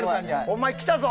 お前きたぞ！